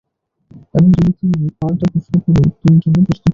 এবং যদি তুমি পাল্টা প্রশ্ন করো, উত্তরের জন্য প্রস্তুত থাকবে।